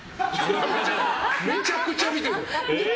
めちゃくちゃ見てる！